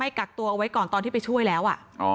กักตัวเอาไว้ก่อนตอนที่ไปช่วยแล้ว